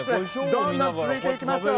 どんどん続いていきましょう。